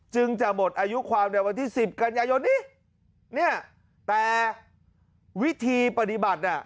จะหมดอายุความในวันที่สิบกันยายนนี้เนี่ยแต่วิธีปฏิบัติน่ะ